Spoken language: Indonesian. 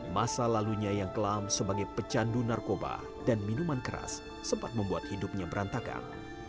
masa lalunya yang kelam sebagai pecandu narkoba dan minuman keras sempat membuat hidupnya berantakan